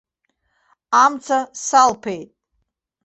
Амца салԥеит.